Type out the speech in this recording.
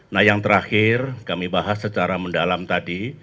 nah yang terakhir kami bahas secara mendalam tadi